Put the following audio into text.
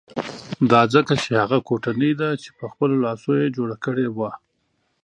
دا ځکه چې هغه کوټنۍ ده چې په خپلو لاسو یې جوړه کړې وه.